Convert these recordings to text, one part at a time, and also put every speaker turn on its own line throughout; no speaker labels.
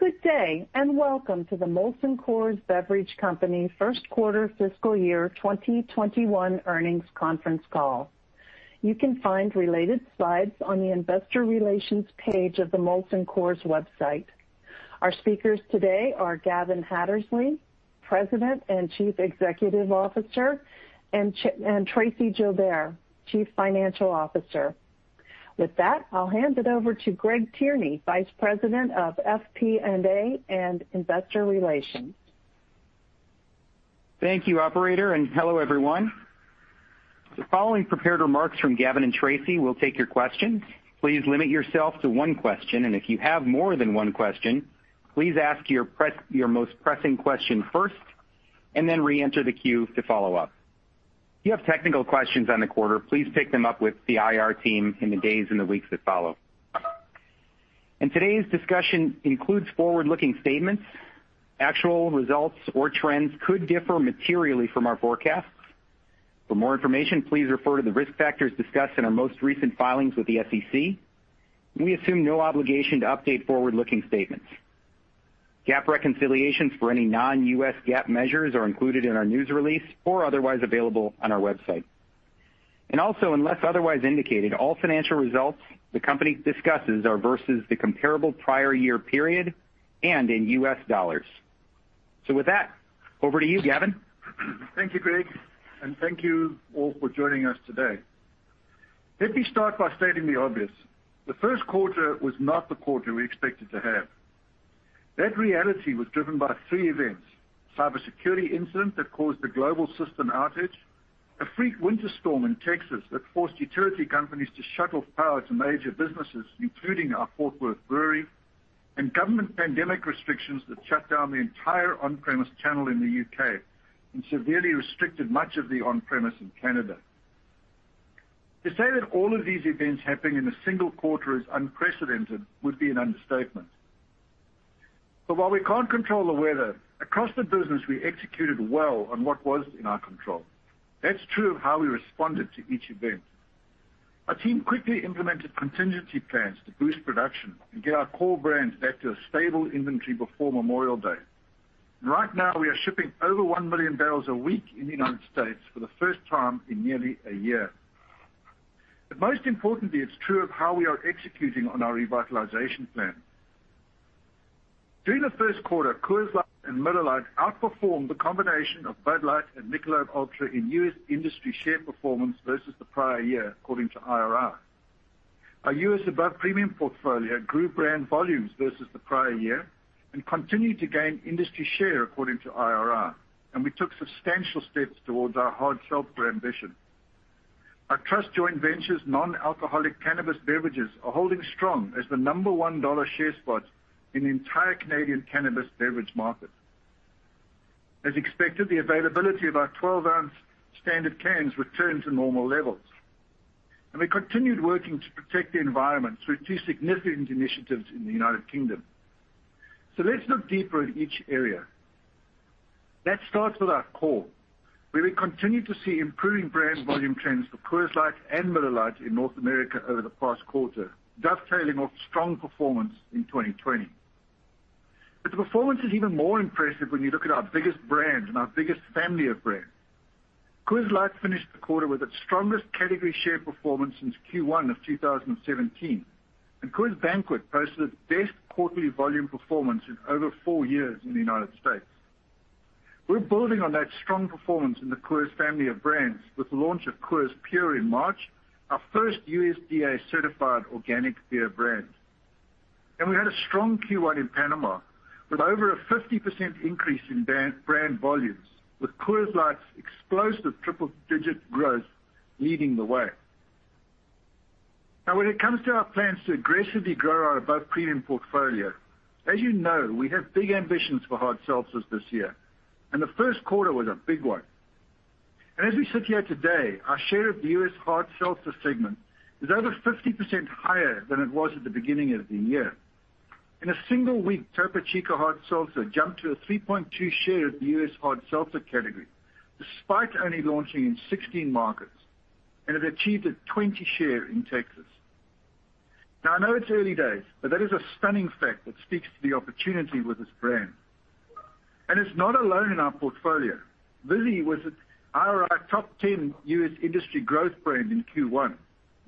Good day, and welcome to the Molson Coors Beverage Company first quarter fiscal year 2021 earnings conference call. You can find related slides on the Investor Relations page of the Molson Coors website. Our speakers today are Gavin Hattersley, President and Chief Executive Officer, and Tracey Joubert, Chief Financial Officer. With that, I'll hand it over to Greg Tierney, Vice President of FP&A and Investor Relations.
Thank you, operator, and hello, everyone. Following prepared remarks from Gavin and Tracey, we'll take your questions. Please limit yourself to one question, and if you have more than one question, please ask your most pressing question first, and then re-enter the queue to follow up. If you have technical questions on the quarter, please take them up with the IR team in the days and the weeks that follow. Today's discussion includes forward-looking statements. Actual results or trends could differ materially from our forecasts. For more information, please refer to the risk factors discussed in our most recent filings with the SEC. We assume no obligation to update forward-looking statements. GAAP reconciliations for any non-U.S. GAAP measures are included in our news release or otherwise available on our website. Also, unless otherwise indicated, all financial results the company discusses are versus the comparable prior year period and in U.S. dollars. With that, over to you, Gavin.
Thank you, Greg, and thank you all for joining us today. Let me start by stating the obvious. The first quarter was not the quarter we expected to have. That reality was driven by three events, a cybersecurity incident that caused a global system outage, a freak winter storm in Texas that forced utility companies to shut off power to major businesses, including our Fort Worth Brewery, and government pandemic restrictions that shut down the entire on-premise channel in the U.K. and severely restricted much of the on-premise in Canada. To say that all of these events happening in a single quarter is unprecedented would be an understatement. While we can't control the weather, across the business, we executed well on what was in our control. That's true of how we responded to each event. Our team quickly implemented contingency plans to boost production and get our core brands back to a stable inventory before Memorial Day. Right now, we are shipping over 1 million bbl a week in the U.S. for the first time in nearly a year. Most importantly, it's true of how we are executing on our revitalization plan. During the first quarter, Coors Light and Miller Lite outperformed the combination of Bud Light and Michelob Ultra in U.S. industry share performance versus the prior year, according to IRI. Our U.S. above-premium portfolio grew brand volumes versus the prior year and continued to gain industry share, according to IRI, and we took substantial steps towards our hard seltzer ambition. Our Truss joint venture's non-alcoholic cannabis beverages are holding strong as the number one dollar share spot in the entire Canadian cannabis beverage market. As expected, the availability of our 12-oz standard cans returned to normal levels, and we continued working to protect the environment through two significant initiatives in the United Kingdom. Let's look deeper at each area. Let's start with our core, where we continue to see improving brand volume trends for Coors Light and Miller Lite in North America over the past quarter, dovetailing off strong performance in 2020. The performance is even more impressive when you look at our biggest brands and our biggest family of brands. Coors Light finished the quarter with its strongest category share performance since Q1 2017, and Coors Banquet posted its best quarterly volume performance in over four years in the United States. We're building on that strong performance in the Coors family of brands with the launch of Coors Pure in March, our first USDA-certified organic beer brand. We had a strong Q1 in Panama, with over a 50% increase in brand volumes, with Coors Light's explosive triple-digit growth leading the way. When it comes to our plans to aggressively grow our above-premium portfolio, as you know, we have big ambitions for hard seltzers this year, and the first quarter was a big one. As we sit here today, our share of the U.S. hard seltzer segment is over 50% higher than it was at the beginning of the year. In a single week, Topo Chico Hard Seltzer jumped to a 3.2% share of the U.S. hard seltzer category, despite only launching in 16 markets, and it achieved a 20% share in Texas. I know it's early days, but that is a stunning fact that speaks to the opportunity with this brand. It's not alone in our portfolio. Vizzy was an IRI top 10 U.S. industry growth brand in Q1.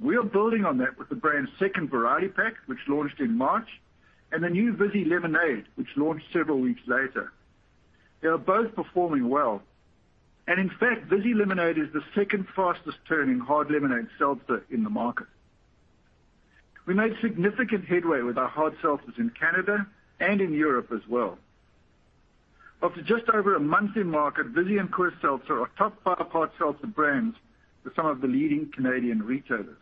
We are building on that with the brand's second variety pack, which launched in March, and the new Vizzy Lemonade, which launched several weeks later. They are both performing well, and in fact, Vizzy Lemonade is the second fastest-turning hard lemonade seltzer in the market. We made significant headway with our hard seltzers in Canada and in Europe as well. After just over a month in market, Vizzy and Coors Seltzer are top five hard seltzer brands with some of the leading Canadian retailers.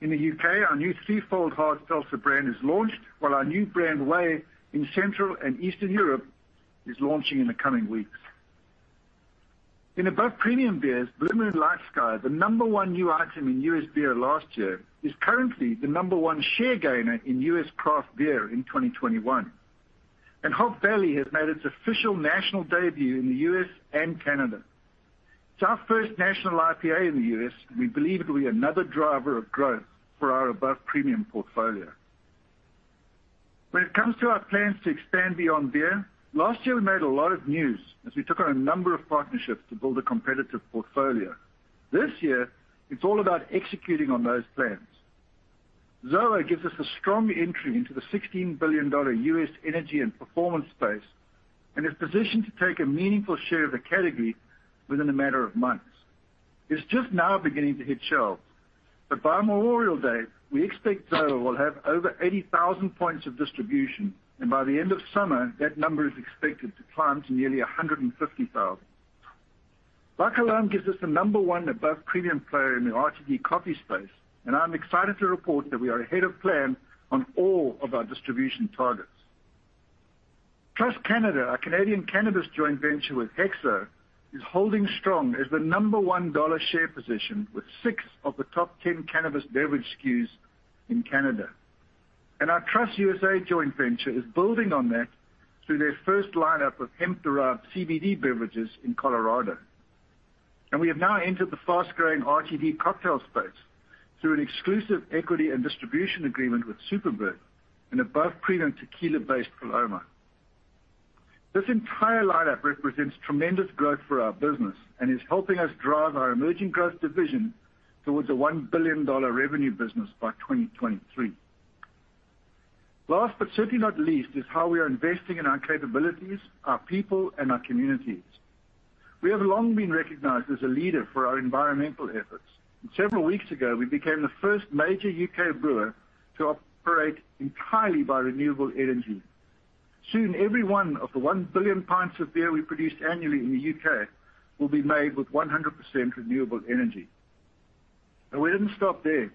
In the U.K., our new Three Fold hard seltzer brand has launched, while our new brand, Wave, in Central and Eastern Europe is launching in the coming weeks. In above-premium beers, Blue Moon LightSky, the number one new item in U.S. beer last year, is currently the number one share gainer in U.S. craft beer in 2021. Hop Valley has made its official national debut in the U.S. and Canada. It's our first national IPA in the U.S., and we believe it will be another driver of growth for our above-premium portfolio. When it comes to our plans to expand beyond beer, last year, we made a lot of news as we took on a number of partnerships to build a competitive portfolio. This year, it's all about executing on those plans. ZOA gives us a strong entry into the $16 billion U.S. energy and performance space, and is positioned to take a meaningful share of the category within a matter of months. It's just now beginning to hit shelves. By Memorial Day, we expect ZOA will have over 80,000 points of distribution. By the end of summer, that number is expected to climb to nearly 150,000. La Colombe gives us the number one above-premium player in the RTD coffee space. I'm excited to report that we are ahead of plan on all of our distribution targets. Truss Canada, our Canadian cannabis joint venture with HEXO, is holding strong as the number one dollar share position with six of the top 10 cannabis beverage SKUs in Canada. Our Truss U.S.A. joint venture is building on that through their first lineup of hemp-derived CBD beverages in Colorado. We have now entered the fast-growing RTD cocktail space through an exclusive equity and distribution agreement with Superbird, an above-premium tequila-based Paloma. This entire lineup represents tremendous growth for our business and is helping us drive our emerging growth division towards a $1 billion revenue business by 2023. Last, but certainly not least, is how we are investing in our capabilities, our people, and our communities. We have long been recognized as a leader for our environmental efforts. Several weeks ago, we became the first major U.K. brewer to operate entirely by renewable energy. Soon, every one of the 1 billion pints of beer we produce annually in the U.K. will be made with 100% renewable energy. We didn't stop there.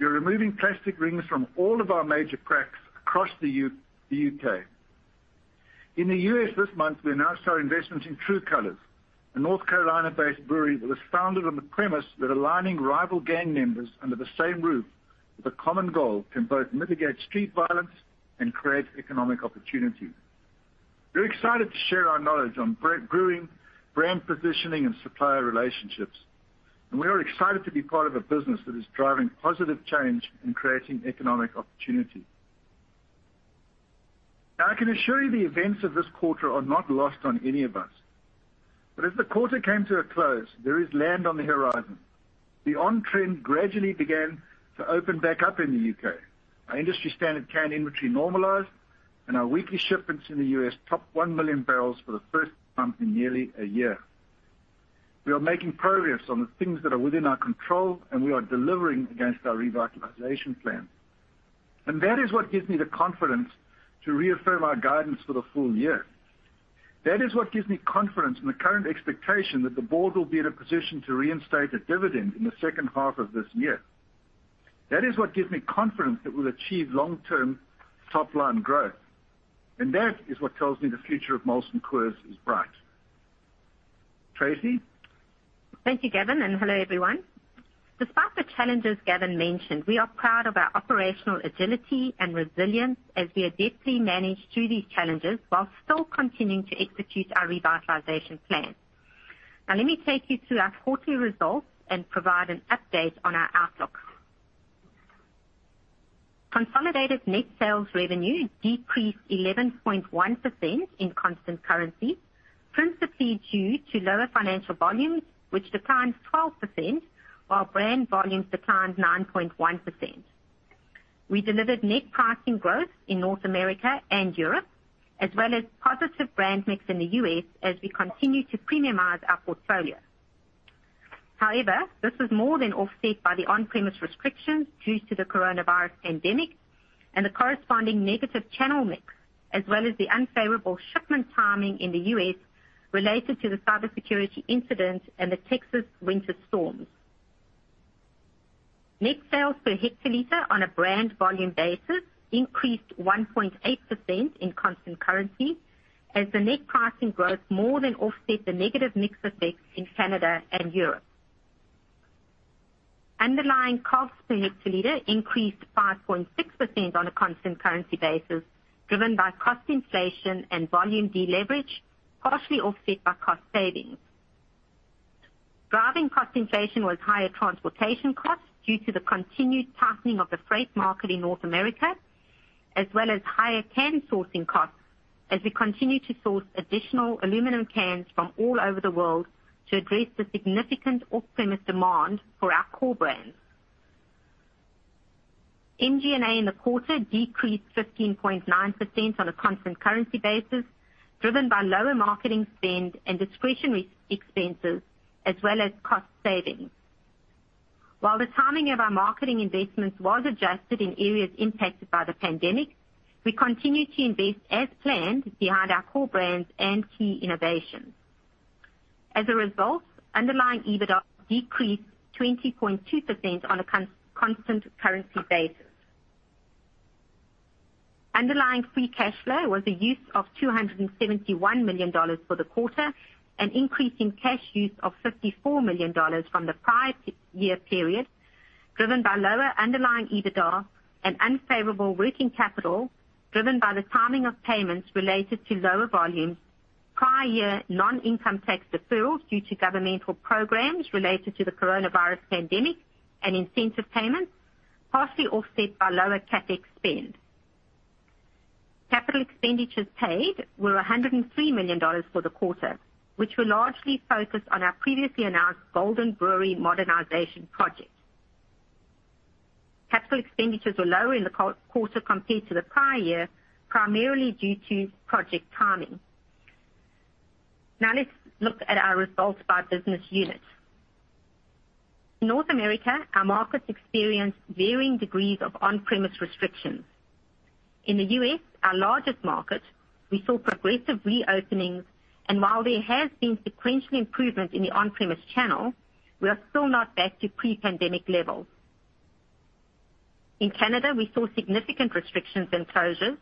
We're removing plastic rings from all of our major packs across the U.K. In the U.S. this month, we announced our investments in TRU Colors Brewery, a North Carolina-based brewery that was founded on the premise that aligning rival gang members under the same roof with a common goal can both mitigate street violence and create economic opportunity. We're excited to share our knowledge on brewing, brand positioning, and supplier relationships. We are excited to be part of a business that is driving positive change and creating economic opportunity. I can assure you the events of this quarter are not lost on any of us. As the quarter came to a close, there is land on the horizon. The on-trend gradually began to open back up in the U.K. Our industry-standard can inventory normalized, and our weekly shipments in the U.S. topped 1 million bbl for the first time in nearly a year. We are making progress on the things that are within our control. We are delivering against our revitalization plan. That is what gives me the confidence to reaffirm our guidance for the full year. That is what gives me confidence in the current expectation that the board will be in a position to reinstate a dividend in the second half of this year. That is what gives me confidence that we'll achieve long-term top-line growth. That is what tells me the future of Molson Coors is bright. Tracey?
Thank you, Gavin, and hello, everyone. Despite the challenges Gavin mentioned, we are proud of our operational agility and resilience as we adeptly managed through these challenges while still continuing to execute our revitalization plan. Let me take you through our quarterly results and provide an update on our outlook. Consolidated net sales revenue decreased 11.1% in constant currency, principally due to lower financial volumes, which declined 12%, while brand volumes declined 9.1%. We delivered net pricing growth in North America and Europe, as well as positive brand mix in the U.S. as we continue to premiumize our portfolio. This was more than offset by the on-premise restrictions due to the coronavirus pandemic and the corresponding negative channel mix, as well as the unfavorable shipment timing in the U.S. related to the cybersecurity incident and the Texas winter storms. Net sales per hectoliter on a brand volume basis increased 1.8% in constant currency as the net pricing growth more than offset the negative mix effects in Canada and Europe. Underlying cost per hectoliter increased 5.6% on a constant currency basis, driven by cost inflation and volume deleverage, partially offset by cost savings. Driving cost inflation was higher transportation costs due to the continued tightening of the freight market in North America, as well as higher can sourcing costs as we continue to source additional aluminum cans from all over the world to address the significant off-premise demand for our core brands. MG&A in the quarter decreased 15.9% on a constant currency basis, driven by lower marketing spend and discretionary expenses, as well as cost savings. While the timing of our marketing investments was adjusted in areas impacted by the pandemic, we continue to invest as planned behind our core brands and key innovations. As a result, underlying EBITDA decreased 20.2% on a constant currency basis. Underlying free cash flow was a use of $271 million for the quarter, an increase in cash use of $54 million from the prior year period, driven by lower underlying EBITDA and unfavorable working capital, driven by the timing of payments related to lower volumes, prior year non-income tax deferrals due to governmental programs related to the coronavirus pandemic and incentive payments, partially offset by lower CapEx spend. Capital expenditures paid were $103 million for the quarter, which were largely focused on our previously announced Golden Brewery modernization project. Capital expenditures were lower in the quarter compared to the prior year, primarily due to project timing. Let's look at our results by business unit. North America, our markets experienced varying degrees of on-premise restrictions. In the U.S., our largest market, we saw progressive reopenings, and while there has been sequential improvement in the on-premise channel, we are still not back to pre-pandemic levels. In Canada, we saw significant restrictions and closures,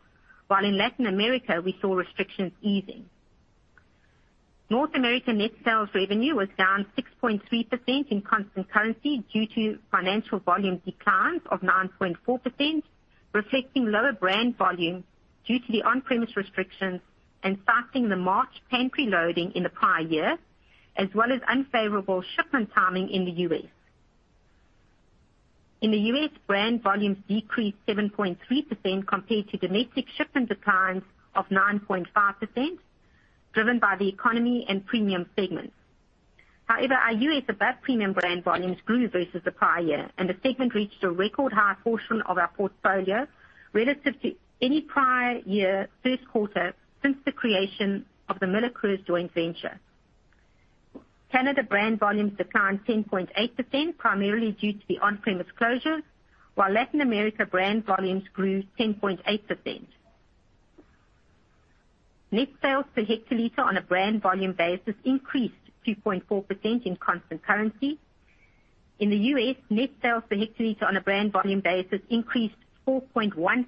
while in Latin America, we saw restrictions easing. North America net sales revenue was down 6.3% in constant currency due to financial volume declines of 9.4%, reflecting lower brand volume due to the on-premise restrictions and citing the March pantry loading in the prior year, as well as unfavorable shipment timing in the U.S. In the U.S., brand volumes decreased 7.3% compared to domestic shipment declines of 9.5%, driven by the economy and premium segments. However, our U.S. above-premium brand volumes grew versus the prior year, and the segment reached a record high portion of our portfolio relative to any prior year first quarter since the creation of the MillerCoors joint venture. Canada brand volumes declined 10.8%, primarily due to the on-premise closures, while Latin America brand volumes grew 10.8%. Net sales per hectoliter on a brand volume basis increased 2.4% in constant currency. In the U.S., net sales per hectoliter on a brand volume basis increased 4.1%,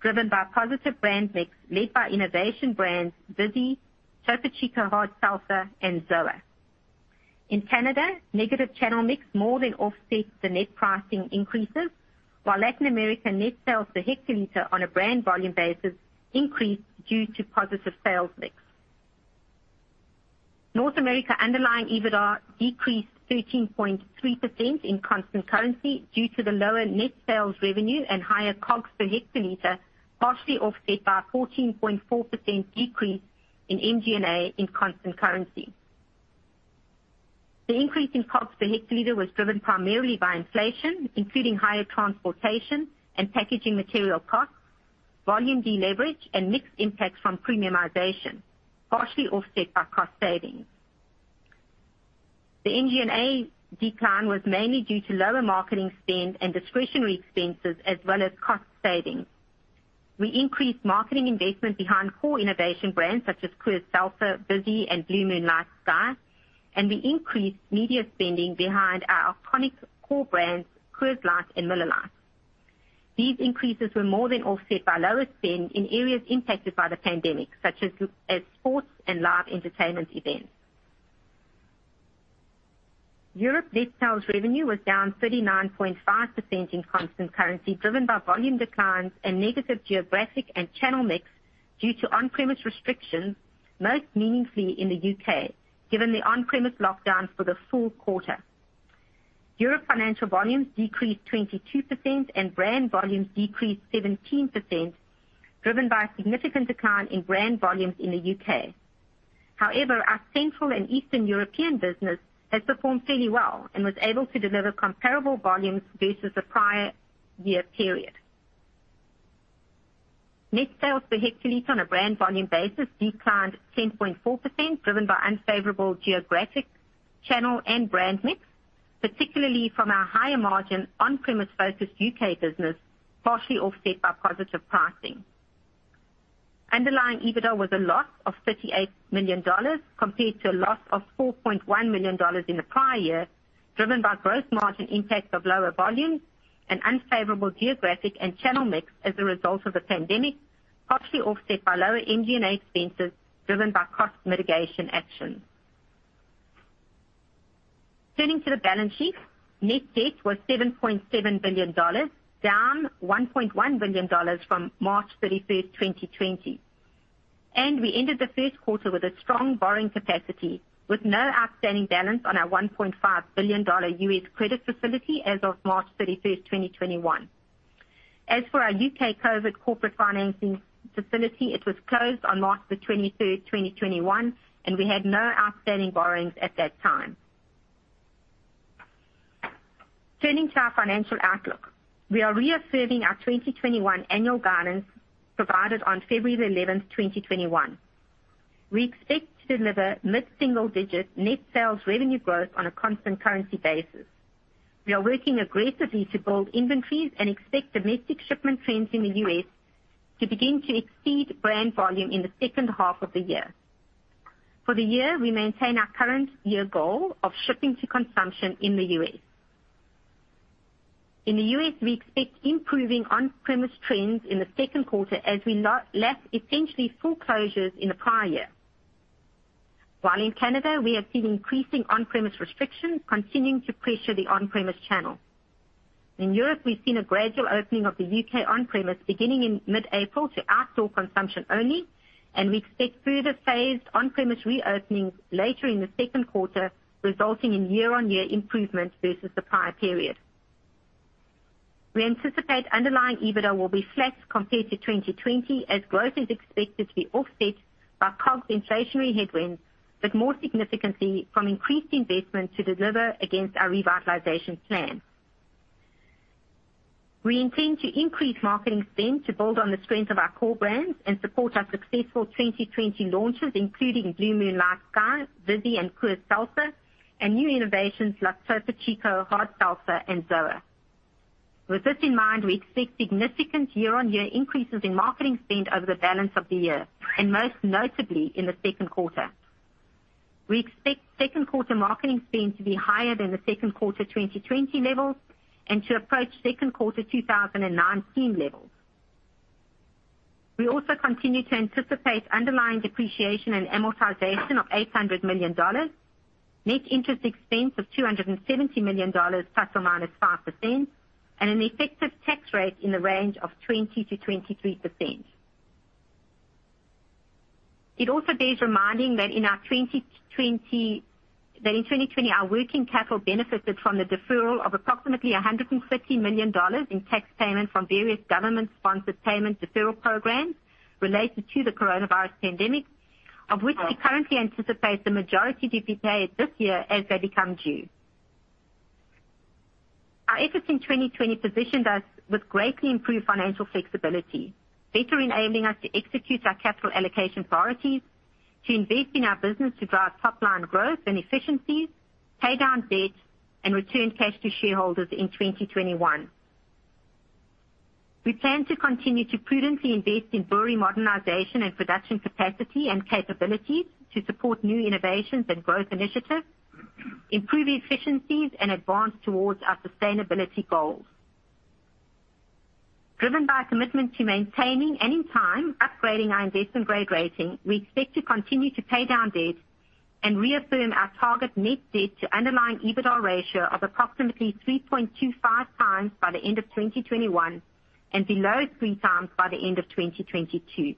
driven by positive brand mix led by innovation brands Vizzy, Topo Chico Hard Seltzer, and ZOA. In Canada, negative channel mix more than offset the net pricing increases, while Latin America net sales per hectoliter on a brand volume basis increased due to positive sales mix. North America underlying EBITDA decreased 13.3% in constant currency due to the lower net sales revenue and higher COGS per hectoliter, partially offset by a 14.4% decrease in MG&A in constant currency. The increase in COGS per hectoliter was driven primarily by inflation, including higher transportation and packaging material costs, volume deleverage, and mixed impacts from premiumization, partially offset by cost savings. The MG&A decline was mainly due to lower marketing spend and discretionary expenses as well as cost savings. We increased marketing investment behind core innovation brands such as Coors Seltzer, Vizzy, and Blue Moon LightSky, and we increased media spending behind our iconic core brands, Coors Light and Miller Lite. These increases were more than offset by lower spend in areas impacted by the pandemic, such as sports and live entertainment events. Europe net sales revenue was down 39.5% in constant currency, driven by volume declines and negative geographic and channel mix due to on-premise restrictions, most meaningfully in the U.K., given the on-premise lockdowns for the full quarter. Europe financial volumes decreased 22% and brand volumes decreased 17%, driven by a significant decline in brand volumes in the U.K. However, our Central and Eastern European business has performed fairly well and was able to deliver comparable volumes versus the prior year period. Net sales per hectoliter on a brand volume basis declined 10.4%, driven by unfavorable geographic, channel, and brand mix, particularly from our higher margin on-premise focused U.K. business, partially offset by positive pricing. Underlying EBITDA was a loss of $38 million compared to a loss of $4.1 million in the prior year, driven by gross margin impacts of lower volumes and unfavorable geographic and channel mix as a result of the pandemic, partially offset by lower MG&A expenses driven by cost mitigation action. Turning to the balance sheet, net debt was $7.7 billion, down $1.1 billion from March 31st, 2020. We ended the first quarter with a strong borrowing capacity, with no outstanding balance on our $1.5 billion U.S. credit facility as of March 31st, 2021. As for our U.K. Covid Corporate Financing Facility, it was closed on March 23rd, 2021, and we had no outstanding borrowings at that time. Turning to our financial outlook. We are reaffirming our 2021 annual guidance provided on February 11th, 2021. We expect to deliver mid-single-digit net sales revenue growth on a constant currency basis. We are working aggressively to build inventories and expect domestic shipment trends in the U.S. to begin to exceed brand volume in the second half of the year. For the year, we maintain our current year goal of shipping to consumption in the U.S. In the U.S., we expect improving on-premise trends in the second quarter as we lack essentially full closures in the prior year. While in Canada, we have seen increasing on-premise restrictions continuing to pressure the on-premise channel. In Europe, we've seen a gradual opening of the U.K. on-premise beginning in mid-April to outdoor consumption only, and we expect further phased on-premise reopenings later in the second quarter, resulting in year-on-year improvement versus the prior period. We anticipate underlying EBITDA will be flat compared to 2020, as growth is expected to be offset by COGS inflationary headwinds, but more significantly, from increased investment to deliver against our revitalization plan. We intend to increase marketing spend to build on the strength of our core brands and support our successful 2020 launches, including Blue Moon LightSky, Vizzy, and Coors Seltzer, and new innovations like Topo Chico Hard Seltzer and ZOA. With this in mind, we expect significant year-on-year increases in marketing spend over the balance of the year, and most notably, in the second quarter. We expect second quarter marketing spend to be higher than the second quarter 2020 levels and to approach second quarter 2019 levels. We also continue to anticipate underlying depreciation and amortization of $800 million, net interest expense of $270 million ±5%, and an effective tax rate in the range of 20%-23%. It also bears reminding that in 2020, our working capital benefited from the deferral of approximately $150 million in tax payments from various government-sponsored payment deferral programs related to the coronavirus pandemic, of which we currently anticipate the majority to be paid this year as they become due. Our efforts in 2020 positioned us with greatly improved financial flexibility, better enabling us to execute our capital allocation priorities, to invest in our business to drive top-line growth and efficiencies, pay down debt, and return cash to shareholders in 2021. We plan to continue to prudently invest in brewery modernization and production capacity and capabilities to support new innovations and growth initiatives, improve efficiencies, and advance towards our sustainability goals. Driven by a commitment to maintaining and, in time, upgrading our investment-grade rating, we expect to continue to pay down debt and reaffirm our target net debt to underlying EBITDA ratio of approximately 3.25x by the end of 2021 and below 3x by the end of 2022.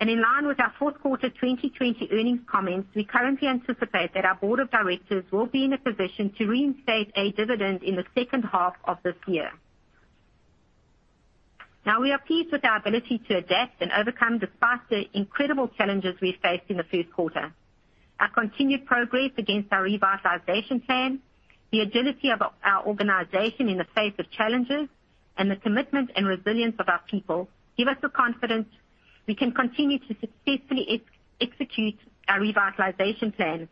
In line with our fourth quarter 2020 earnings comments, we currently anticipate that our board of directors will be in a position to reinstate a dividend in the second half of this year. We are pleased with our ability to adapt and overcome despite the incredible challenges we faced in the first quarter. Our continued progress against our revitalization plan, the agility of our organization in the face of challenges, and the commitment and resilience of our people give us the confidence we can continue to successfully execute our revitalization plan,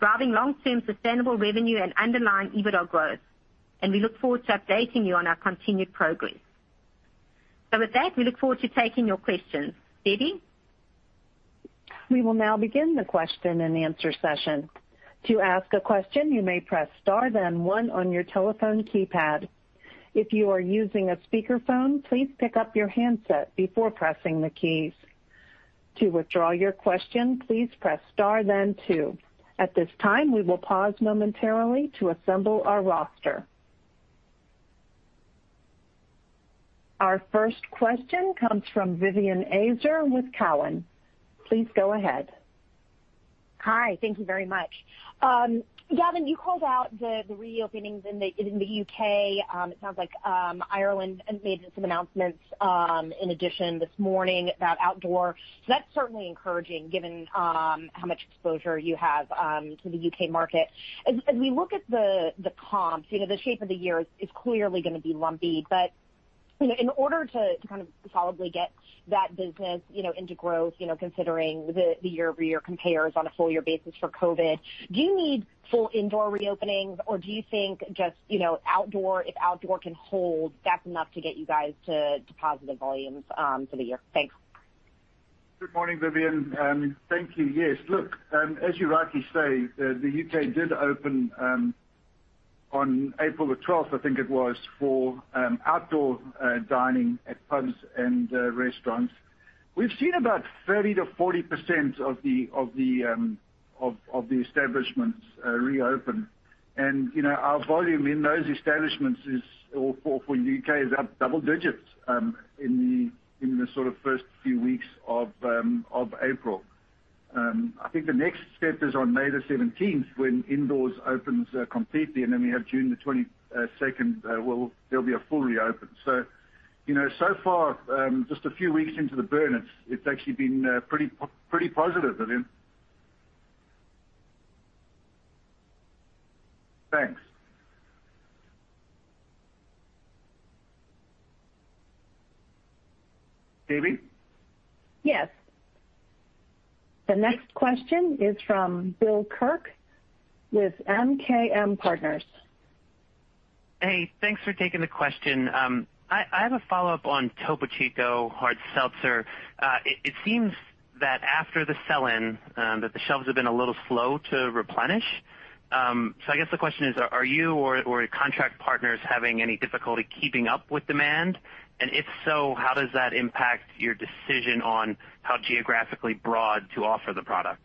driving long-term sustainable revenue and underlying EBITDA growth. We look forward to updating you on our continued progress. With that, we look forward to taking your questions. Debbie?
Our first question comes from Vivien Azer with Cowen. Please go ahead.
Hi. Thank you very much. Gavin, you called out the reopenings in the U.K. It sounds like Ireland has made some announcements in addition this morning about outdoor. That's certainly encouraging given how much exposure you have to the U.K. market. In order to kind of solidly get that business into growth, considering the year-over-year compares on a full year basis for COVID, do you need full indoor reopenings, or do you think just outdoor, if outdoor can hold, that's enough to get you guys to positive volumes for the year? Thanks.
Good morning, Vivien. Thank you. Yes, look, as you rightly say, the U.K. did open on April the 12th, I think it was, for outdoor dining at pubs and restaurants. We've seen about 30%-40% of the establishments reopen, and our volume in those establishments for U.K. is up double digits in the sort of first few weeks of April. I think the next step is on May the 17th, when indoors opens completely, and then we have June the 22nd, there'll be a full reopen. So far, just a few weeks into the run, it's actually been pretty positive, Vivien. Thanks. Debbie?
Yes. The next question is from Bill Kirk with MKM Partners.
Hey, thanks for taking the question. I have a follow-up on Topo Chico Hard Seltzer. It seems that after the sell-in, that the shelves have been a little slow to replenish. I guess the question is, are you or your contract partners having any difficulty keeping up with demand? If so, how does that impact your decision on how geographically broad to offer the product?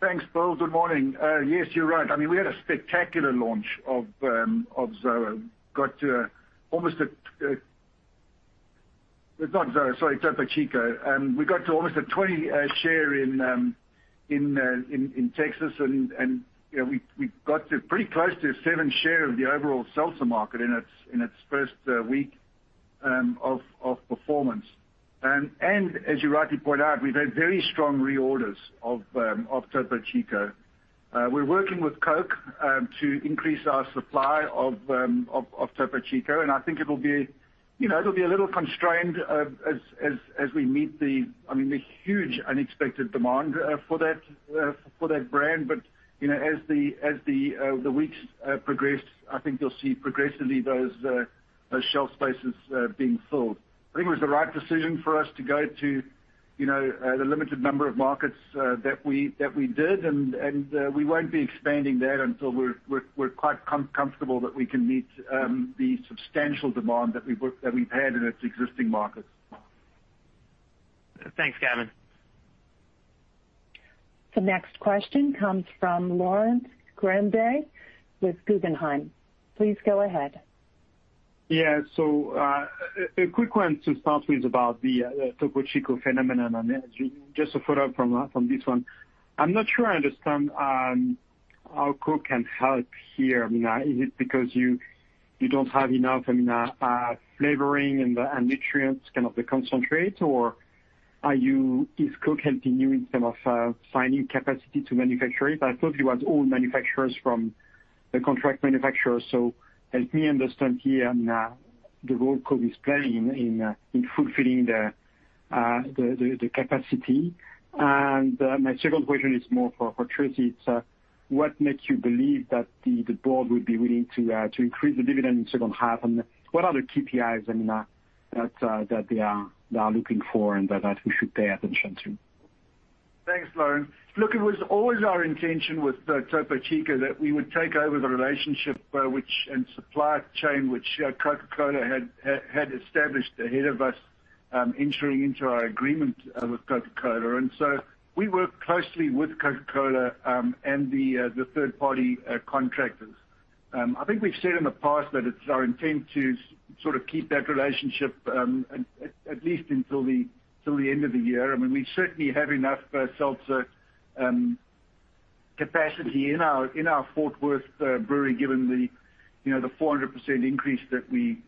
Thanks, Bill. Good morning. Yes, you're right. We had a spectacular launch of Topo Chico. We got to almost a 20% share in Texas and we got to pretty close to 7% share of the overall seltzer market in its first week of performance. As you rightly point out, we've had very strong reorders of Topo Chico. We're working with Coke to increase our supply of Topo Chico, and I think it'll be a little constrained as we meet the huge unexpected demand for that brand. As the weeks progress, I think you'll see progressively those shelf spaces being filled. I think it was the right decision for us to go to the limited number of markets that we did, and we won't be expanding that until we're quite comfortable that we can meet the substantial demand that we've had in its existing markets.
Thanks, Gavin.
The next question comes from Laurent Grandet with Guggenheim. Please go ahead.
A quick one to start with about the Topo Chico phenomenon and just a follow-up from this one. I'm not sure I understand how Coke can help here. Is it because you don't have enough flavoring and nutrients, kind of the concentrate, or is Coke helping you in terms of finding capacity to manufacture it? I thought you had all manufacturers from the contract manufacturer. Help me understand here now the role Coke is playing in fulfilling the capacity. My second question is more for Tracey. It's what makes you believe that the board would be willing to increase the dividend in the second half, and what are the KPIs that they are looking for and that we should pay attention to?
Thanks, Laurent. Look, it was always our intention with Topo Chico that we would take over the relationship and supply chain which Coca-Cola had established ahead of us entering into our agreement with Coca-Cola. We work closely with Coca-Cola and the third-party contractors. I think we've said in the past that it's our intent to sort of keep that relationship at least until the end of the year. We certainly have enough seltzer capacity in our Fort Worth Brewery, given the 400% increase that we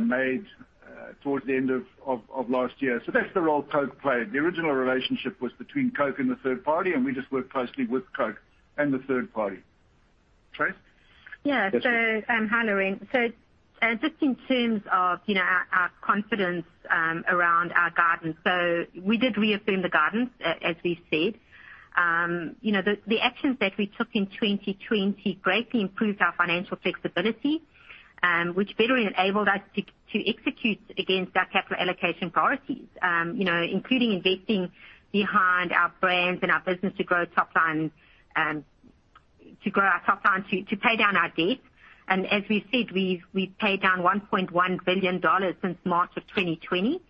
made towards the end of last year. That's the role Coke played. The original relationship was between Coke and the third party, we just worked closely with Coke and the third party. Tracey?
Yeah.
Yes, Tracy.
Hi, Laurent. Just in terms of our confidence around our guidance, we did reaffirm the guidance, as we've said. The actions that we took in 2020 greatly improved our financial flexibility, which better enabled us to execute against our capital allocation priorities including investing behind our brands and our business to grow our top line, to pay down our debt. As we said, we've paid down $1.1 billion since March of 2020.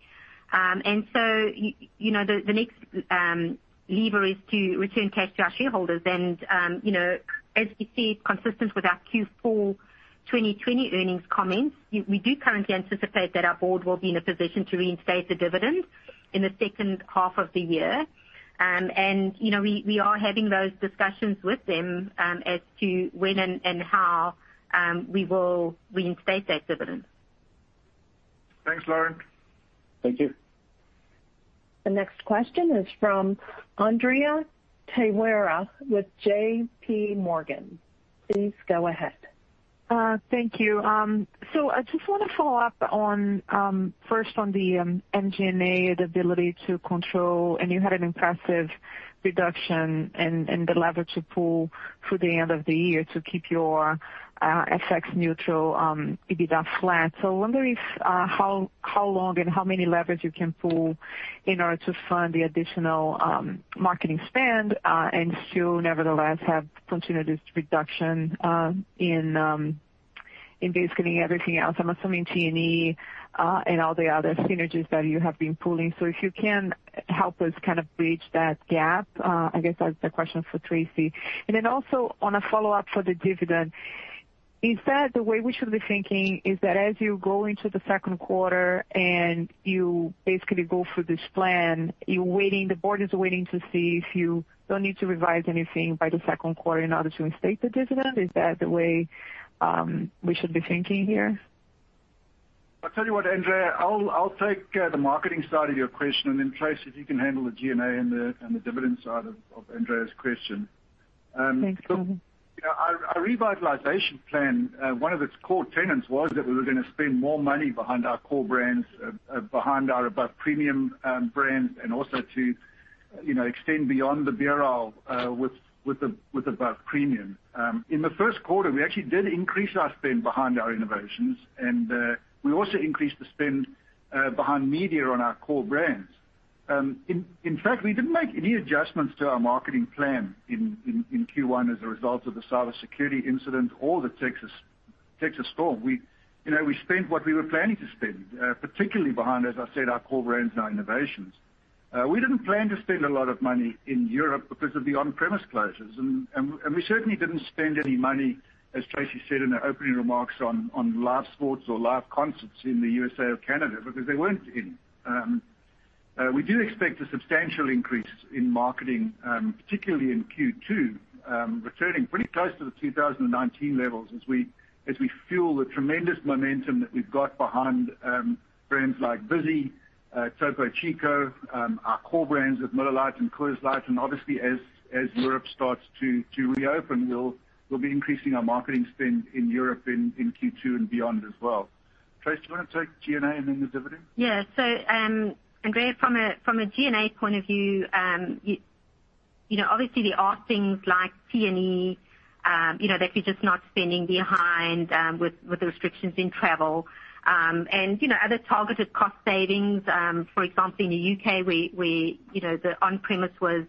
The next lever is to return cash to our shareholders. As you see, consistent with our Q4 2020 earnings comments, we do currently anticipate that our board will be in a position to reinstate the dividend in the second half of the year. We are having those discussions with them as to when and how we will reinstate that dividend.
Thanks, Laurent.
Thank you.
The next question is from Andrea Teixeira with JPMorgan. Please go ahead.
Thank you. I just want to follow up first on the NG&A, the ability to control, and you had an impressive reduction in the lever to pull through the end of the year to keep your FX neutral, EBITDA flat. Wondering how long and how many levers you can pull in order to fund the additional marketing spend, and still nevertheless, have continued this reduction in basically everything else, I'm assuming T&E and all the other synergies that you have been pulling. If you can help us kind of bridge that gap. I guess that's a question for Tracey. Also on a follow-up for the dividend, is that the way we should be thinking is that as you go into the second quarter and you basically go through this plan, the board is waiting to see if you don't need to revise anything by the second quarter in order to instate the dividend? Is that the way we should be thinking here?
I'll tell you what, Andrea, I'll take the marketing side of your question, and then Tracey, if you can handle the G&A and the dividend side of Andrea's question.
Thanks.
Our revitalization plan, one of its core tenets was that we were going to spend more money behind our core brands, behind our above premium brands, and also to extend beyond the beer with above premium. In the first quarter, we actually did increase our spend behind our innovations, and we also increased the spend behind media on our core brands. We didn't make any adjustments to our marketing plan in Q1 as a result of the cybersecurity incident or the Texas storm. We spent what we were planning to spend, particularly behind, as I said, our core brands and our innovations. We didn't plan to spend a lot of money in Europe because of the on-premise closures. We certainly didn't spend any money, as Tracey said in her opening remarks, on live sports or live concerts in the U.S.A. or Canada because they weren't in. We do expect a substantial increase in marketing, particularly in Q2, returning pretty close to the 2019 levels as we fuel the tremendous momentum that we've got behind brands like Vizzy, Topo Chico, our core brands of Miller Lite and Coors Light, and obviously as Europe starts to reopen, we'll be increasing our marketing spend in Europe in Q2 and beyond as well. Tracey, do you want to take G&A and then the dividend?
Yeah. Andrea, from a G&A point of view, obviously there are things like T&E that we're just not spending behind with the restrictions in travel. Other targeted cost savings, for example, in the U.K., the on-premise was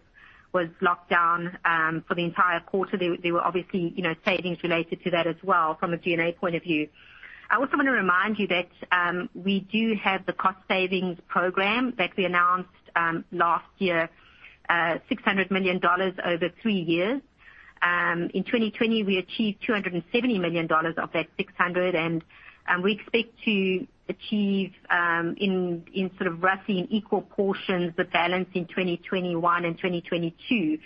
locked down for the entire quarter. There were obviously savings related to that as well from a G&A point of view. I also want to remind you that we do have the cost savings program that we announced last year, $600 million over three years. In 2020, we achieved $270 million of that $600 million, and we expect to achieve in sort of roughly in equal portions the balance in 2021 and 2022.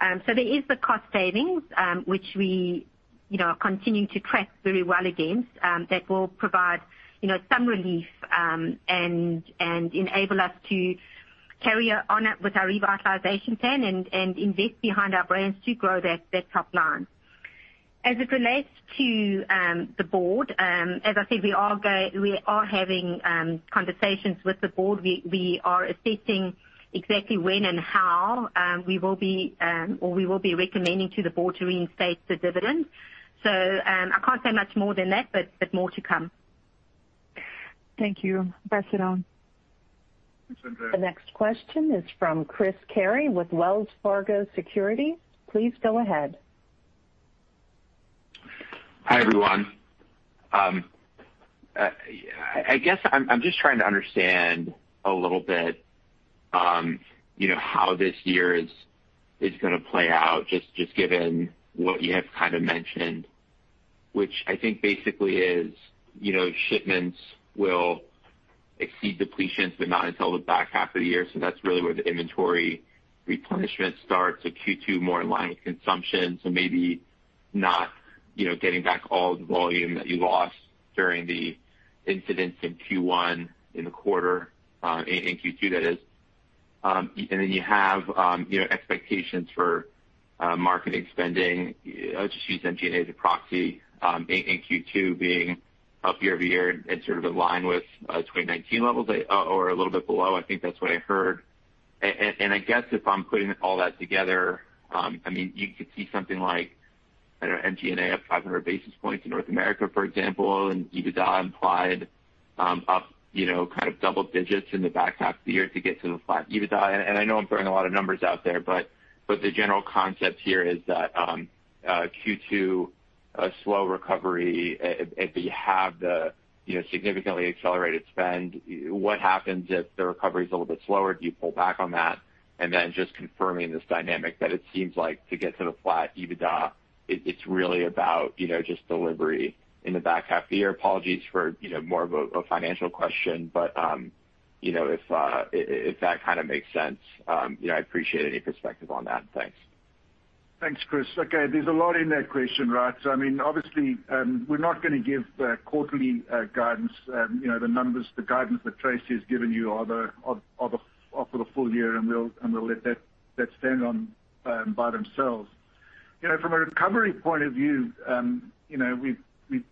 There is the cost savings, which we are continuing to track very well against, that will provide some relief, and enable us to carry on with our revitalization plan and invest behind our brands to grow that top line. As it relates to the board, as I said, we are having conversations with the board. We are assessing exactly when and how we will be recommending to the board to reinstate the dividend. I can't say much more than that, but more to come.
Thank you. Pass it on.
Thanks, Andrea.
The next question is from Chris Carey with Wells Fargo Securities. Please go ahead.
Hi, everyone. I guess I'm just trying to understand a little bit how this year is going to play out, just given what you have kind of mentioned, which I think basically is shipments will exceed depletions, not until the back half of the year. That's really where the inventory replenishment starts at Q2, more in line with consumption. Maybe not getting back all the volume that you lost during the incidents in Q1, in the quarter, in Q2, that is. You have expectations for marketing spending. I'll just use NG&A as a proxy in Q2 being up year-over-year and sort of in line with 2019 levels or a little bit below. I think that's what I heard. I guess if I'm putting all that together, you could see something like, I don't know, MG&A up 500 basis points in North America, for example, and EBITDA implied up kind of double digits in the back half of the year to get to the flat EBITDA. I know I'm throwing a lot of numbers out there, but the general concept here is that Q2, a slow recovery, if you have the significantly accelerated spend, what happens if the recovery is a little bit slower? Do you pull back on that? Just confirming this dynamic that it seems like to get to the flat EBITDA, it's really about just delivery in the back half of the year. Apologies for more of a financial question, but if that kind of makes sense, I'd appreciate any perspective on that. Thanks.
Thanks, Chris. Okay. There's a lot in that question, right? Obviously, we're not going to give quarterly guidance. The numbers, the guidance that Tracey has given you are for the full year, and we'll let that stand by themselves. From a recovery point of view, we've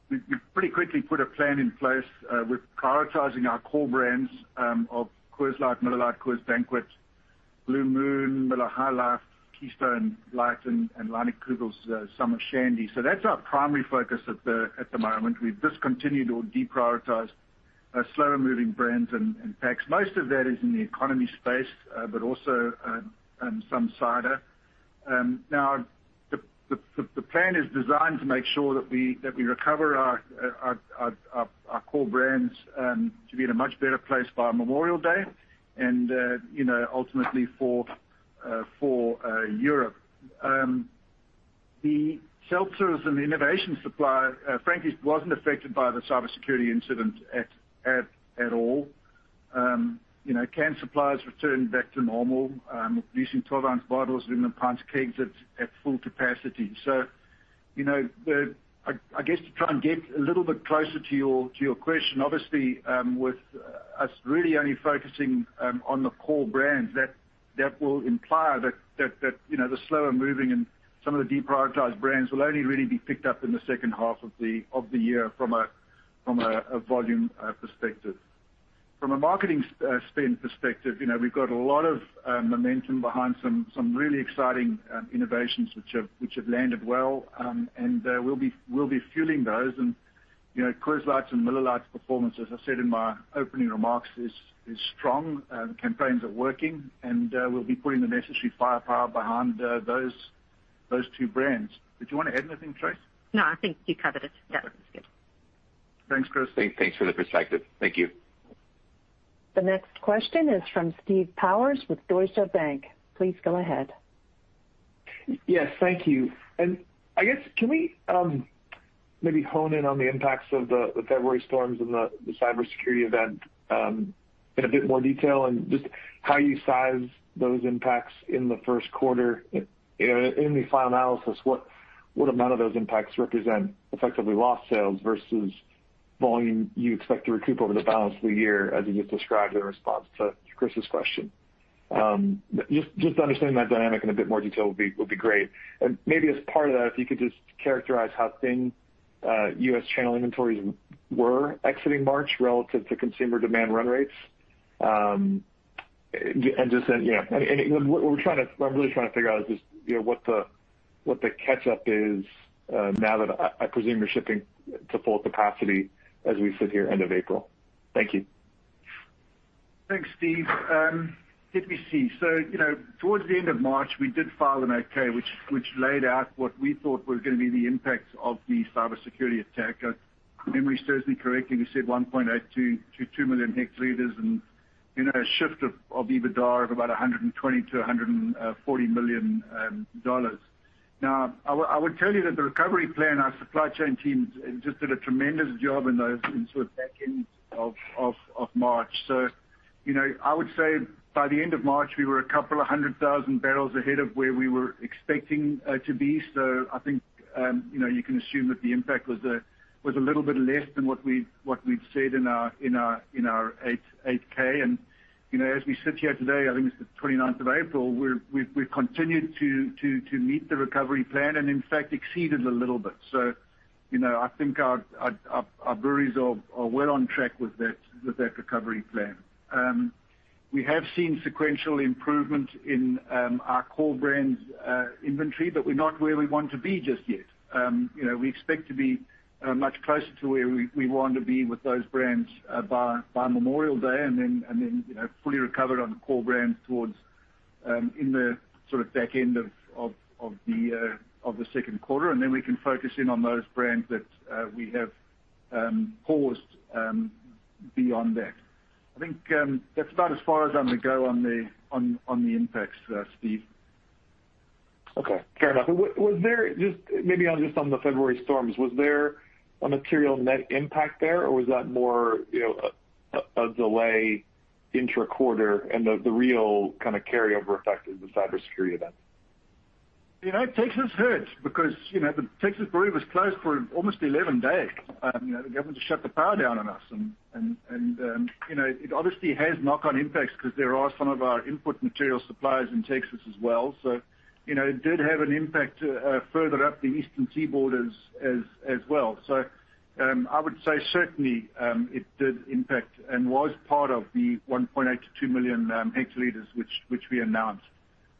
pretty quickly put a plan in place. We're prioritizing our core brands of Coors Light, Miller Lite, Coors Banquet, Blue Moon, Miller High Life, Keystone Light, and Leinenkugel's Summer Shandy. That's our primary focus at the moment. We've discontinued or deprioritized slower-moving brands and packs. Most of that is in the economy space, but also some cider. The plan is designed to make sure that we recover our core brands to be in a much better place by Memorial Day and ultimately for Europe. The seltzers and the innovation supply, frankly, wasn't affected by the cybersecurity incident at all. Can suppliers return back to normal, producing 12-oz bottles, and 1-lbs kegs at full capacity? I guess to try and get a little bit closer to your question, obviously, with us really only focusing on the core brands, that will imply that the slower-moving and some of the deprioritized brands will only really be picked up in the second half of the year from a volume perspective. From a marketing spend perspective, we've got a lot of momentum behind some really exciting innovations which have landed well, and we'll be fueling those. Coors Light's and Miller Lite's performance, as I said in my opening remarks, is strong. The campaigns are working, and we'll be putting the necessary firepower behind those two brands. Did you want to add anything, Tracey?
No, I think you covered it. Yeah, that's good.
Thanks, Chris.
Thanks for the perspective. Thank you.
The next question is from Steve Powers with Deutsche Bank. Please go ahead.
Yes, thank you. I guess, can we maybe hone in on the impacts of the February storms and the cybersecurity event in a bit more detail and just how you size those impacts in the first quarter? In the final analysis, what amount of those impacts represent effectively lost sales versus volume you expect to recoup over the balance of the year, as you just described in response to Chris's question? Just understanding that dynamic in a bit more detail would be great. Maybe as part of that, if you could just characterize how thin U.S. channel inventories were exiting March relative to consumer demand run rates. What I'm really trying to figure out is just what the catch-up is now that I presume you're shipping to full capacity as we sit here end of April. Thank you.
Thanks, Steve. Let me see. Towards the end of March, we did file an Form 8-K, which laid out what we thought was going to be the impacts of the cybersecurity attack. If memory serves me correctly, we said 1.82 million-2 million hectoliters and a shift of EBITDA of about $120 million-$140 million. I would tell you that the recovery plan, our supply chain teams just did a tremendous job in sort of back end of March. I would say by the end of March, we were a 200,000 bbl ahead of where we were expecting to be. I think you can assume that the impact was a little bit less than what we'd said in our Form 8-K. As we sit here today, I think it's the 29th of April, we've continued to meet the recovery plan, and in fact exceeded a little bit. I think our breweries are well on track with that recovery plan. We have seen sequential improvement in our core brands inventory, but we're not where we want to be just yet. We expect to be much closer to where we want to be with those brands by Memorial Day and then fully recovered on the core brands towards in the sort of back end of the second quarter. We can focus in on those brands that we have paused beyond that. I think that's about as far as I'm going to go on the impacts there, Steve.
Okay. Fair enough. Maybe just on the February storms, was there a material net impact there, or was that more a delay intra-quarter and the real kind of carryover effect is the cybersecurity event?
Texas hurts because the Texas brewery was closed for almost 11 days. The government just shut the power down on us. It obviously has knock-on impacts because there are some of our input material suppliers in Texas as well. It did have an impact further up the eastern seaboard as well. I would say certainly, it did impact and was part of the 1.8 million-2 million hectoliters which we announced.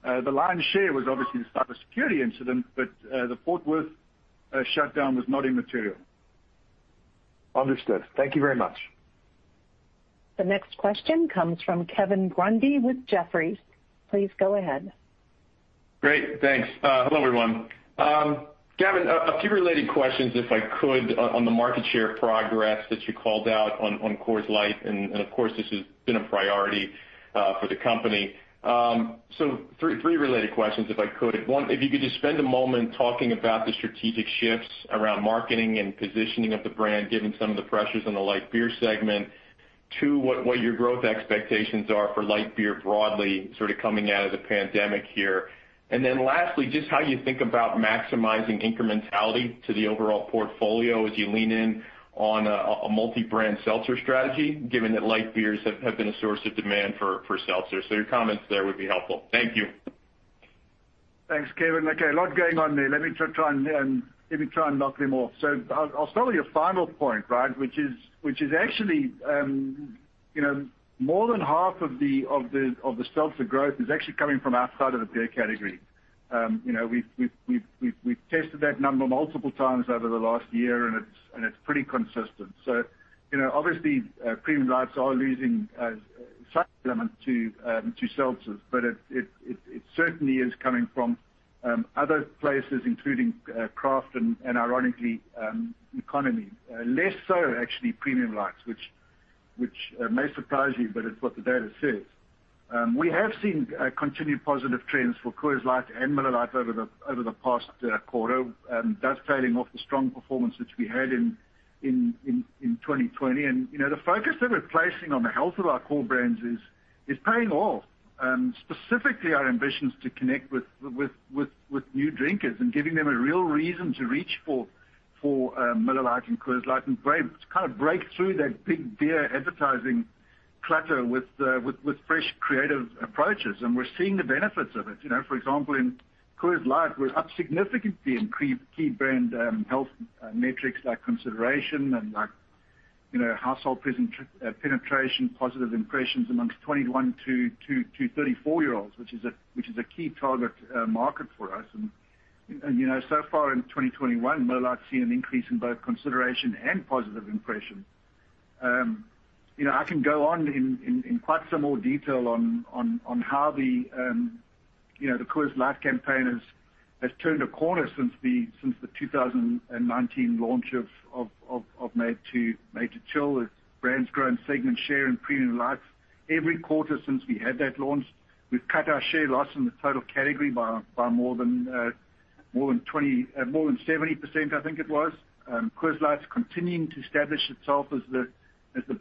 The lion's share was obviously the cybersecurity incident, but the Fort Worth shutdown was not immaterial.
Understood. Thank you very much.
The next question comes from Kevin Grundy with Jefferies. Please go ahead.
Great. Thanks. Hello, everyone. Gavin, a few related questions, if I could, on the market share progress that you called out on Coors Light, and of course, this has been a priority for the company. Three related questions, if I could. One, if you could just spend a moment talking about the strategic shifts around marketing and positioning of the brand, given some of the pressures on the light beer segment. Two, what your growth expectations are for light beer broadly, sort of coming out of the pandemic here. Lastly, just how you think about maximizing incrementality to the overall portfolio as you lean in on a multi-brand seltzer strategy, given that light beers have been a source of demand for seltzers. Your comments there would be helpful. Thank you.
Thanks, Kevin. Okay. A lot going on there. Let me try and knock them off. I'll start with your final point, right, which is actually more than half of the seltzer growth is actually coming from outside of the beer category. We've tested that number multiple times over the last year, and it's pretty consistent. Obviously, premium lights are losing some element to seltzers, but it certainly is coming from other places, including craft and ironically, economy. Less so actually premium lights, which may surprise you, but it's what the data says. We have seen continued positive trends for Coors Light and Miller Lite over the past quarter. That's trailing off the strong performance which we had in 2020. The focus that we're placing on the health of our core brands is paying off. Specifically our ambitions to connect with new drinkers and giving them a real reason to reach for Miller Lite and Coors Light. Kind of break through that big beer advertising clutter with fresh, creative approaches. We're seeing the benefits of it. For example, in Coors Light, we're up significantly in key brand health metrics, like consideration and household penetration, positive impressions amongst 21 to 34-year-olds, which is a key target market for us. So far in 2021, Miller Lite's seen an increase in both consideration and positive impression. I can go on in quite some more detail on how The Coors Light campaign has turned a corner since the 2019 launch of Made to Chill. The brand's grown segment share in premium light every quarter since we had that launch. We've cut our share loss in the total category by more than 70%, I think it was. Coors Light's continuing to establish itself as the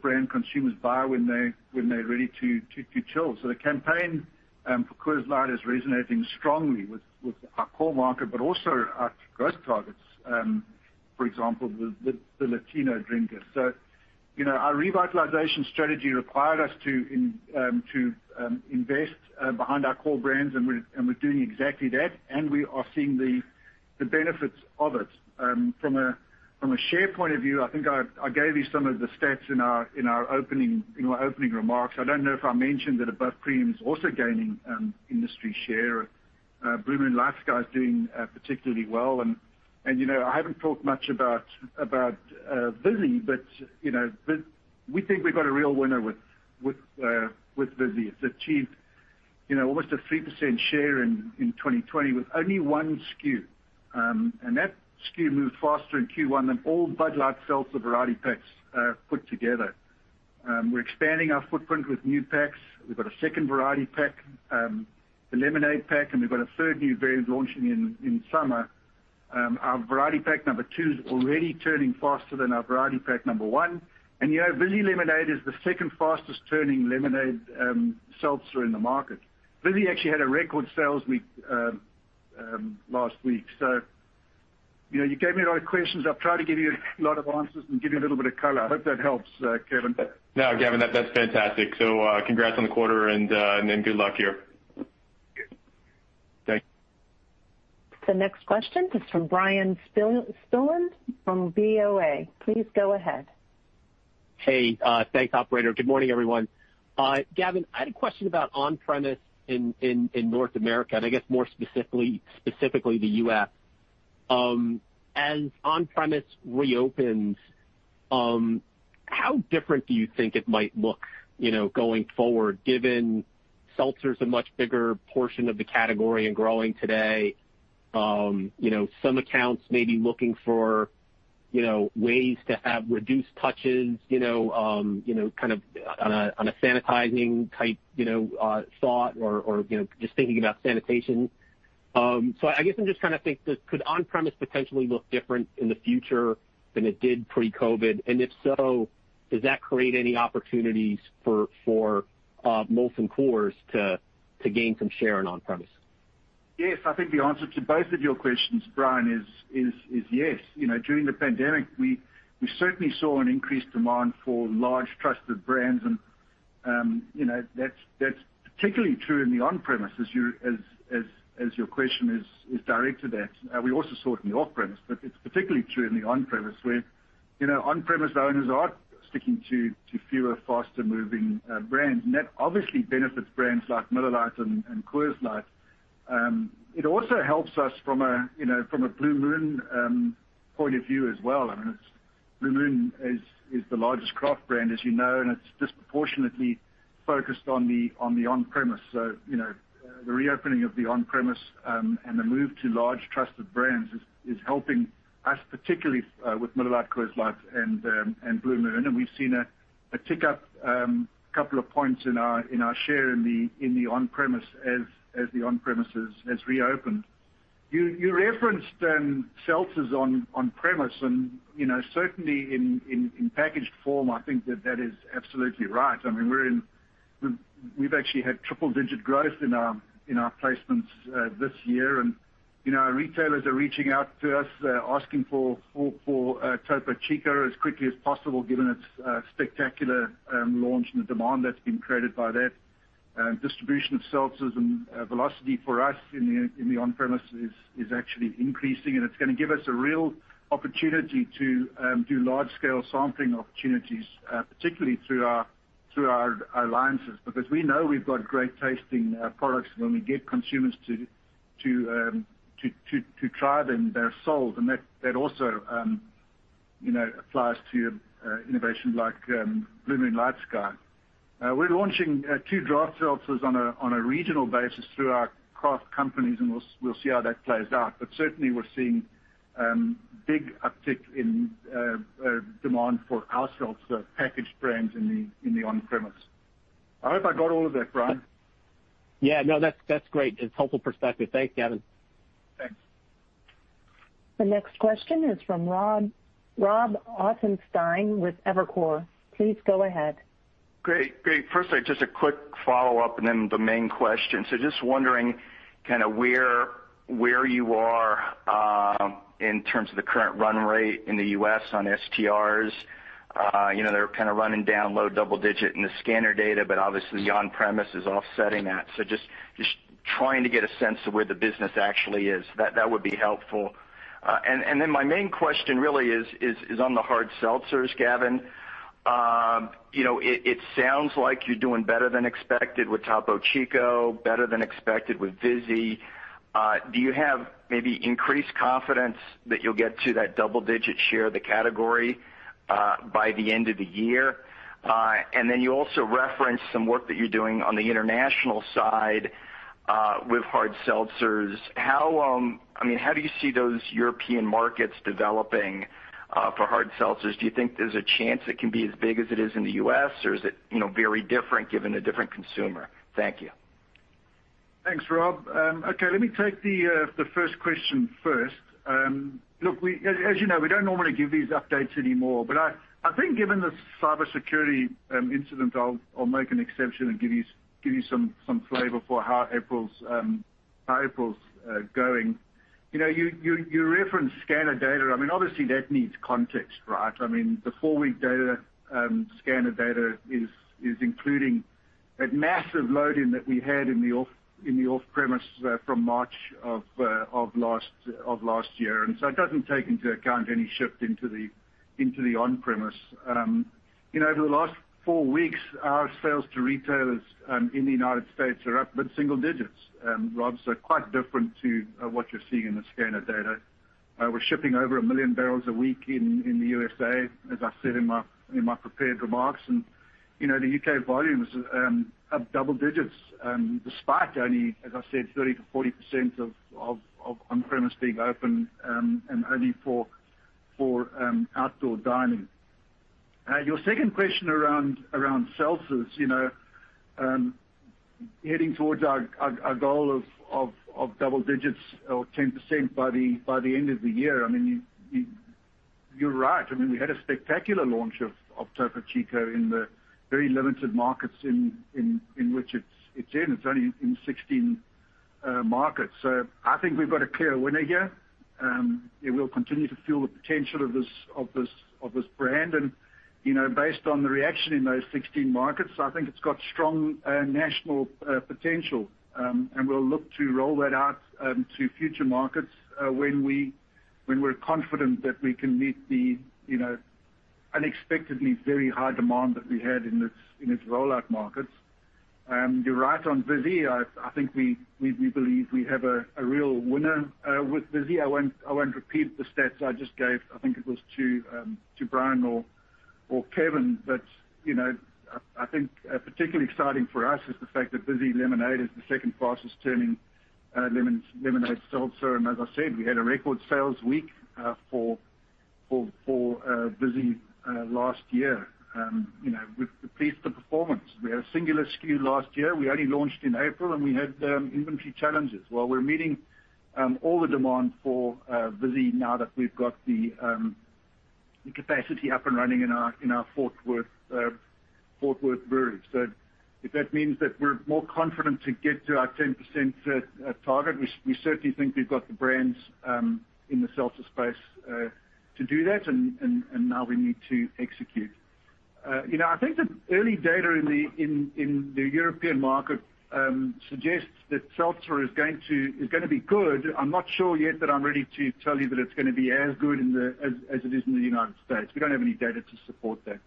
brand consumers buy when they're ready to chill. The campaign for Coors Light is resonating strongly with our core market, but also our growth targets, for example, the Latino drinkers. Our revitalization strategy required us to invest behind our core brands, and we're doing exactly that, and we are seeing the benefits of it. From a share point of view, I think I gave you some of the stats in our opening remarks. I don't know if I mentioned that Above Premium is also gaining industry share. Blue Moon LightSky is doing particularly well. I haven't talked much about Vizzy, but we think we've got a real winner with Vizzy. It's achieved almost a 3% share in 2020 with only one SKU. That SKU moved faster in Q1 than all Bud Light Seltzer variety packs put together. We're expanding our footprint with new packs. We've got a second variety pack, the lemonade pack, and we've got a third new variant launching in summer. Our variety pack number two is already turning faster than our variety pack number one. Vizzy Lemonade is the second fastest turning lemonade seltzer in the market. Vizzy actually had a record sales week last week. You gave me a lot of questions. I've tried to give you a lot of answers and give you a little bit of color. I hope that helps, Kevin.
No, Gavin, that's fantastic. Congrats on the quarter, and good luck here.
Thank you.
The next question is from Bryan Spillane from BofA. Please go ahead.
Hey. Thanks, operator. Good morning, everyone. Gavin, I had a question about on-premise in North America. I guess more specifically, the U.S. As on-premise reopens, how different do you think it might look, going forward, given seltzer's a much bigger portion of the category and growing today? Some accounts may be looking for ways to have reduced touches, kind of on a sanitizing type thought or just thinking about sanitation. I guess I'm just trying to think, could on-premise potentially look different in the future than it did pre-COVID? If so, does that create any opportunities for Molson Coors to gain some share in on-premise?
Yes, I think the answer to both of your questions, Bryan, is yes. During the pandemic, we certainly saw an increased demand for large trusted brands, and that's particularly true in the on-premise, as your question is directed at. We also saw it in the off-premise, but it's particularly true in the on-premise, where on-premise owners are sticking to fewer, faster-moving brands. That obviously benefits brands like Miller Lite and Coors Light. It also helps us from a Blue Moon point of view as well. I mean, Blue Moon is the largest craft brand, as you know, and it's disproportionately focused on the on-premise. The reopening of the on-premise and the move to large trusted brands is helping us, particularly with Miller Lite, Coors Light, and Blue Moon. We've seen a tick up a couple of points in our share in the on-premise as the on-premises has reopened. You referenced seltzers on premise, and certainly in packaged form, I mean, I think that that is absolutely right. We've actually had triple-digit growth in our placements this year. Our retailers are reaching out to us, asking for Topo Chico as quickly as possible given its spectacular launch and the demand that's been created by that. Distribution of seltzers and velocity for us in the on-premise is actually increasing, and it's going to give us a real opportunity to do large-scale sampling opportunities, particularly through our alliances. We know we've got great-tasting products, when we get consumers to try them, they're sold. That also applies to innovation like Blue Moon LightSky. We're launching two draft seltzers on a regional basis through our craft companies, and we'll see how that plays out. Certainly, we're seeing big uptick in demand for our seltzer packaged brands in the on-premise. I hope I got all of that, Bryan.
Yeah, no, that's great. It's a helpful perspective. Thanks, Gavin.
Thanks.
The next question is from Rob Ottenstein with Evercore. Please go ahead.
Great. Firstly, just a quick follow-up and then the main question. Just wondering kind of where you are in terms of the current run rate in the U.S. on SKUs. They're kind of running down low double-digit in the scanner data, but obviously the on-premise is offsetting that. Just trying to get a sense of where the business actually is. That would be helpful. My main question really is on the hard seltzers, Gavin. It sounds like you're doing better than expected with Topo Chico, better than expected with Vizzy. Do you have maybe increased confidence that you'll get to that double-digit share of the category by the end of the year? You also referenced some work that you're doing on the international side with hard seltzers. How do you see those European markets developing for hard seltzers? Do you think there's a chance it can be as big as it is in the U.S., or is it very different given a different consumer? Thank you.
Thanks, Rob. Let me take the first question first. Look, as you know, we don't normally give these updates anymore. I think given the cybersecurity incident, I'll make an exception and give you some flavor for how April's going. You referenced scanner data. Obviously, that needs context, right? The four-week data, scanner data, is including that massive load-in that we had in the off-premise from March of last year. It doesn't take into account any shift into the on-premise. Over the last four weeks, our sales to retailers in the U.S. are up mid-single digits, Rob. Quite different to what you're seeing in the scanner data. We're shipping over a million barrels a week in the U.S.A., as I said in my prepared remarks. The U.K. volumes up double digits, despite only, as I said, 30%-40% of on-premise being open, and only for outdoor dining. Your second question around seltzers, heading towards our goal of double digits or 10% by the end of the year. You're right. We had a spectacular launch of Topo Chico in the very limited markets in which it's in. It's only in 16 markets. I think we've got a clear winner here. We'll continue to feel the potential of this brand. Based on the reaction in those 16 markets, I think it's got strong national potential. We'll look to roll that out to future markets when we're confident that we can meet the unexpectedly very high demand that we had in its rollout markets. You're right on Vizzy. I think we believe we have a real winner with Vizzy. I won't repeat the stats I just gave, I think it was to Bryan or Kevin. I think particularly exciting for us is the fact that Vizzy Lemonade is the second fastest turning lemonade seltzer. As I said, we had a record sales week for Vizzy last year. We're pleased with the performance. We had a singular SKU last year. We only launched in April, and we had inventory challenges. We're meeting all the demand for Vizzy now that we've got the capacity up and running in our Fort Worth Brewery. That means that we're more confident to get to our 10% target. We certainly think we've got the brands in the seltzer space to do that, and now we need to execute. I think the early data in the European market suggests that seltzer is going to be good. I'm not sure yet that I'm ready to tell you that it's going to be as good as it is in the U.S. We don't have any data to support that.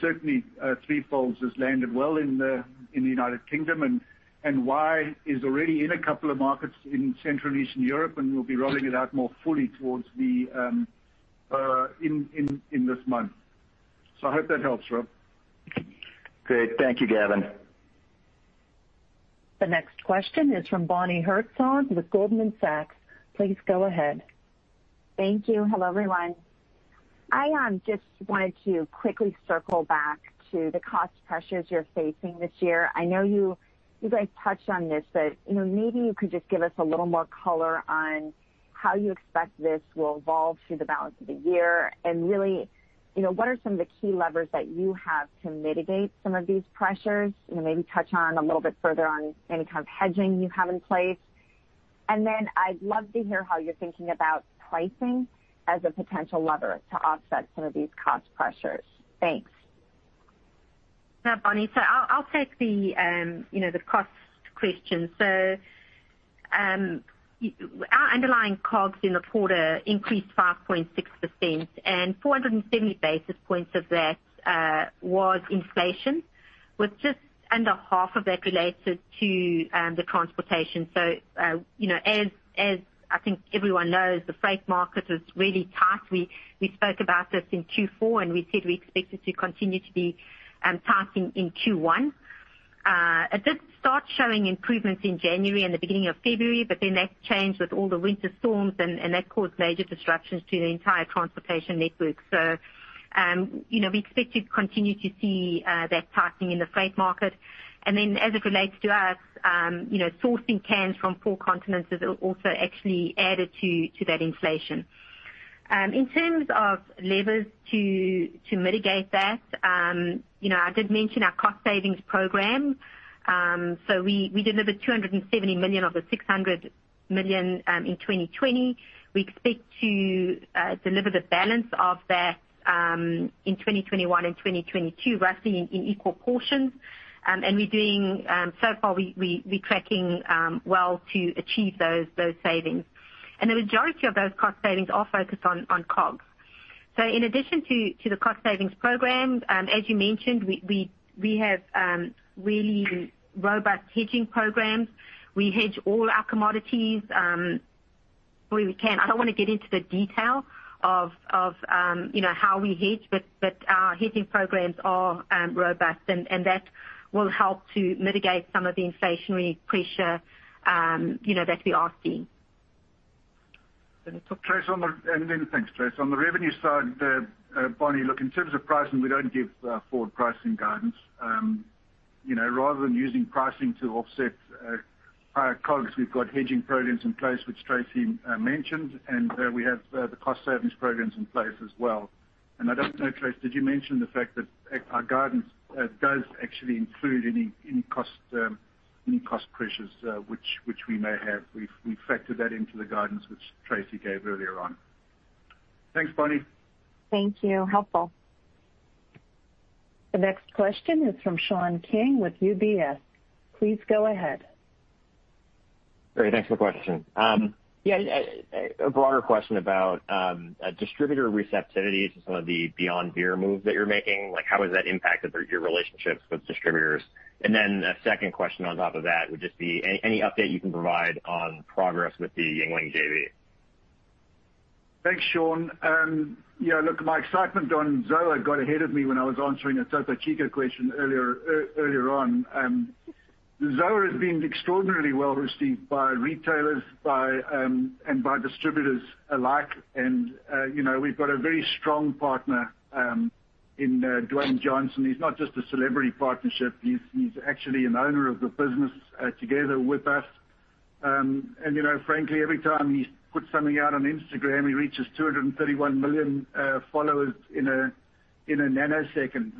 Certainly, Three Fold has landed well in the U.K., and Wai is already in a couple of markets in Central and Eastern Europe, and we'll be rolling it out more fully towards the end, in this month. I hope that helps, Rob.
Great. Thank you, Gavin.
The next question is from Bonnie Herzog with Goldman Sachs. Please go ahead.
Thank you. Hello, everyone. I just wanted to quickly circle back to the cost pressures you're facing this year. I know you guys touched on this, but maybe you could just give us a little more color on how you expect this will evolve through the balance of the year, and really, what are some of the key levers that you have to mitigate some of these pressures? Maybe touch on a little bit further on any kind of hedging you have in place. I'd love to hear how you're thinking about pricing as a potential lever to offset some of these cost pressures. Thanks.
Bonnie, I'll take the cost question. Our underlying COGS in the quarter increased 5.6%, and 470 basis points of that was inflation, with just under half of that related to the transportation. As I think everyone knows, the freight market is really tight. We spoke about this in Q4, we said we expected to continue to be tight in Q1. It did start showing improvements in January and the beginning of February, that changed with all the winter storms, that caused major disruptions to the entire transportation network. We expect to continue to see that tightening in the freight market. As it relates to us, sourcing cans from four continents has also actually added to that inflation. In terms of levers to mitigate that, I did mention our cost savings program. We delivered $270 million of the $600 million in 2020. We expect to deliver the balance of that in 2021 and 2022, roughly in equal portions. So far, we're tracking well to achieve those savings. The majority of those cost savings are focused on COGS. In addition to the cost savings program, as you mentioned, we have really robust hedging programs. We hedge all our commodities where we can. I don't want to get into the detail of how we hedge, but our hedging programs are robust, and that will help to mitigate some of the inflationary pressure that we are seeing.
Thanks, Tracey. On the revenue side, Bonnie, look, in terms of pricing, we don't give forward pricing guidance. Rather than using pricing to offset higher COGS, we've got hedging programs in place, which Tracey mentioned, and we have the cost savings programs in place as well. I don't know, Tracey, did you mention the fact that our guidance does actually include any cost pressures which we may have? We've factored that into the guidance which Tracey gave earlier on. Thanks, Bonnie.
Thank you. Helpful.
The next question is from Sean King with UBS. Please go ahead.
Great. Thanks for the question. Yeah, a broader question about distributor receptivity to some of the beyond beer moves that you're making. How has that impacted your relationships with distributors? A second question on top of that would just be any update you can provide on progress with the Yuengling JV.
Thanks, Sean. Look, my excitement on ZOA got ahead of me when I was answering a Topo Chico question earlier on. ZOA has been extraordinarily well-received by retailers and by distributors alike. We've got a very strong partner in Dwayne Johnson. He's not just a celebrity partnership. He's actually an owner of the business together with us. Frankly, every time he puts something out on Instagram, he reaches 231 million followers in a nanosecond.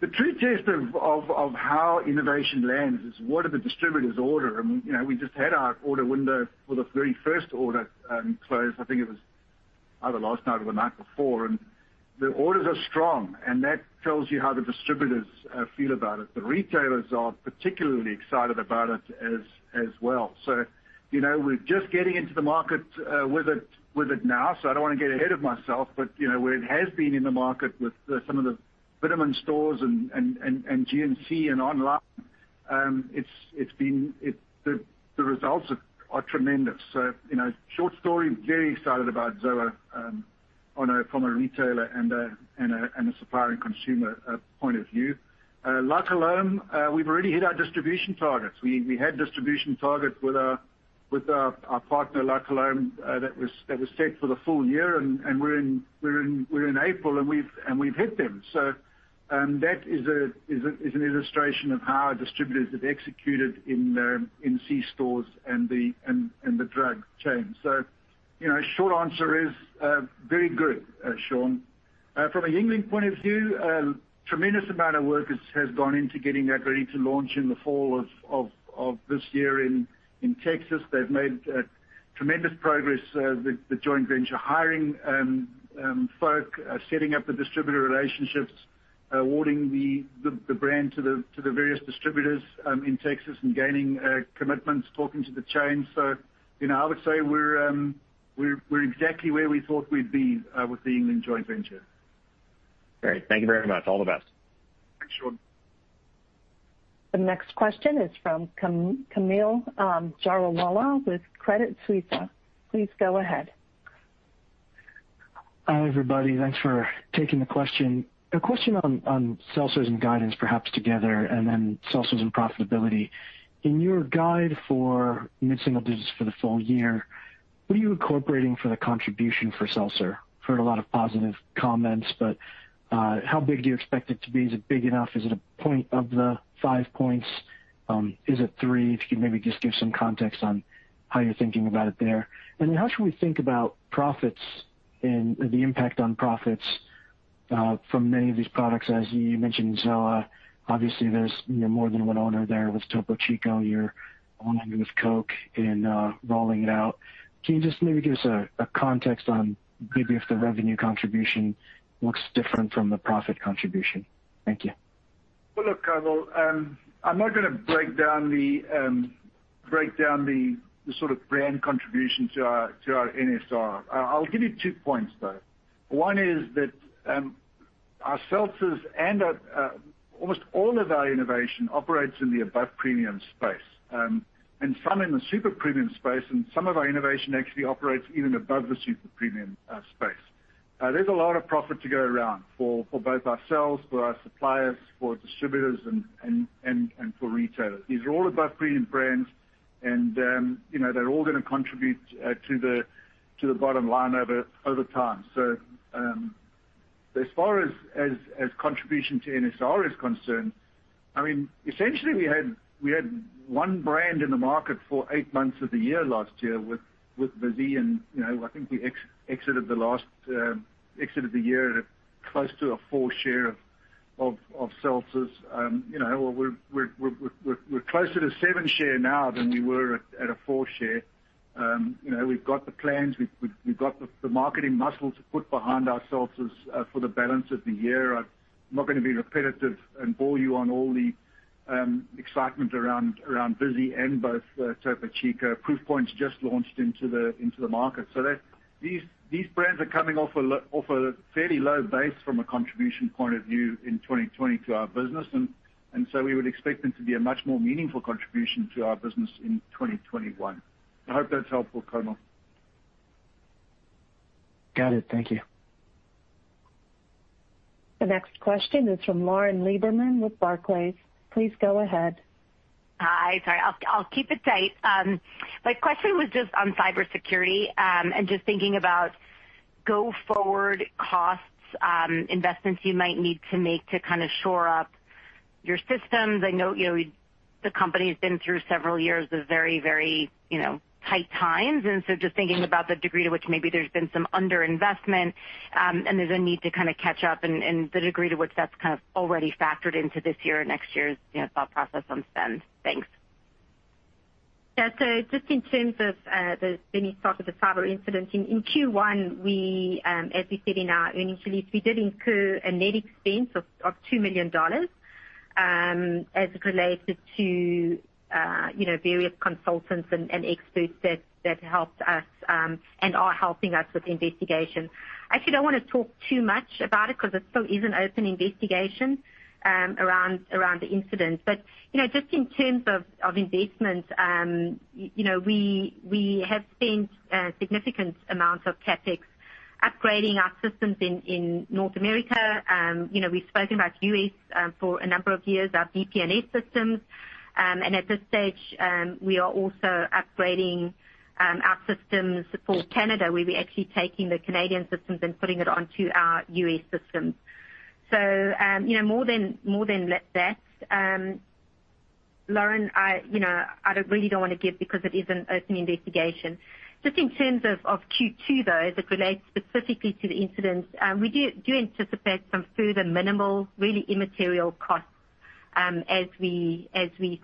The true test of how innovation lands is what do the distributors order. I mean, we just had our order window for the very first order close, I think it was either last night or the night before. The orders are strong, and that tells you how the distributors feel about it. The retailers are particularly excited about it as well. We're just getting into the market with it now, so I don't want to get ahead of myself. Where it has been in the market with some of the Vitamin stores and GNC and online, the results are tremendous. Short story, very excited about ZOA from a retailer and a supplier and consumer point of view. La Calombe, we've already hit our distribution targets. We had distribution targets with our partner, La Calombe, that was set for the full year, and we're in April, and we've hit them. That is an illustration of how our distributors have executed in C-stores and the drug chains. Short answer is very good, Sean. From a Yuengling point of view, a tremendous amount of work has gone into getting that ready to launch in the fall of this year in Texas. They've made tremendous progress with the joint venture, hiring folk, setting up the distributor relationships, awarding the brand to the various distributors in Texas and gaining commitments, talking to the chains. I would say we're exactly where we thought we'd be with the Yuengling joint venture.
Great. Thank you very much. All the best.
Thanks, Sean.
The next question is from Kaumil Gajrawala with Credit Suisse. Please go ahead.
Hi, everybody. Thanks for taking the question. A question on seltzers and guidance perhaps together, and then seltzers and profitability. In your guide for mid-single digits for the full year, what are you incorporating for the contribution for seltzer? Heard a lot of positive comments, how big do you expect it to be? Is it big enough? Is it a point of the 5 points? Is it 3? If you could maybe just give some context on how you're thinking about it there. How should we think about profits and the impact on profits from many of these products? As you mentioned, ZOA, obviously there's more than one owner there. With Topo Chico, you're owning it with Coke and rolling it out. Can you just maybe give us a context on maybe if the revenue contribution looks different from the profit contribution? Thank you.
Well, look, Kaumil, I'm not going to break down the sort of brand contribution to our NSR. I'll give you two points, though. One is that our seltzers and almost all of our innovation operates in the above-premium space. Some in the super premium space and some of our innovation actually operates even above the super premium space. There's a lot of profit to go around for both ourselves, for our suppliers, for distributors, and for retailers. These are all above-premium brands and they're all going to contribute to the bottom line over time. As far as contribution to NSR is concerned, I mean, essentially we had one brand in the market for eight months of the year last year with Vizzy, and I think we exited the year at close to a four share of seltzers. We're closer to seven share now than we were at a four share. We've got the plans. We've got the marketing muscle to put behind ourselves for the balance of the year. I'm not going to be repetitive and bore you on all the excitement around Vizzy and both Topo Chico. Proof Point's just launched into the market. These brands are coming off a fairly low base from a contribution point of view in 2020 to our business. We would expect them to be a much more meaningful contribution to our business in 2021. I hope that's helpful, Kaumil.
Got it. Thank you.
The next question is from Lauren Lieberman with Barclays. Please go ahead.
Hi. Sorry. I'll keep it tight. My question was just on cybersecurity, and just thinking about go forward costs, investments you might need to make to shore up your systems. I know the company's been through several years of very tight times. Just thinking about the degree to which maybe there's been some underinvestment, and there's a need to catch up and the degree to which that's kind of already factored into this year or next year's thought process on spend. Thanks.
Yeah. Just in terms of the benefit talk of the cyber incident. In Q1, as we said in our earnings release, we did incur a net expense of $2 million, as it related to various consultants and experts that helped us and are helping us with the investigation. I actually don't want to talk too much about it because it still is an open investigation around the incident. Just in terms of investments, we have spent significant amounts of CapEx upgrading our systems in North America. We've spoken about U.S. for a number of years, our DPN systems. At this stage, we are also upgrading our systems for Canada, where we're actually taking the Canadian systems and putting it onto our U.S. systems. More than that, Lauren, I really don't want to give because it is an open investigation. Just in terms of Q2, though, that relates specifically to the incident, we do anticipate some further minimal, really immaterial costs as we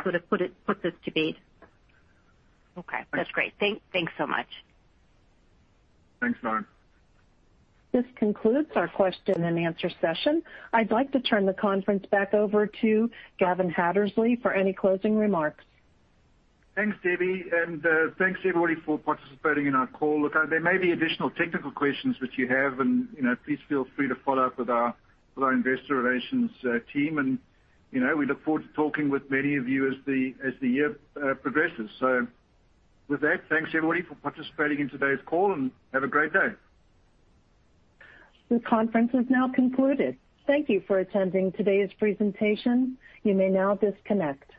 sort of put this to bed.
Okay. That's great. Thanks so much.
Thanks, Lauren.
This concludes our question-and-answer session. I'd like to turn the conference back over to Gavin Hattersley for any closing remarks.
Thanks, Debbie, and thanks everybody for participating in our call. Look, there may be additional technical questions which you have, and please feel free to follow up with our investor relations team. We look forward to talking with many of you as the year progresses. With that, thanks everybody for participating in today's call, and have a great day.
This conference is now concluded. Thank you for attending today's presentation. You may now disconnect.